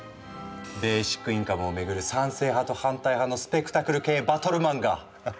ベーシックインカムをめぐる賛成派と反対派のスペクタクル系バトル漫画！